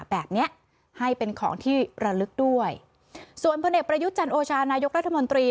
แบบเนี้ยให้เป็นของที่ระลึกด้วยส่วนพลเอกประยุทธ์จันโอชานายกรัฐมนตรี